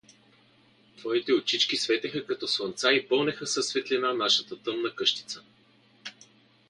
Твоите очички светеха като слънца и пълнеха със светлина нашата тъмна къщица.